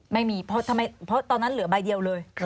ไม่มีเพราะตอนนั้นเหลือใบเดียวเลย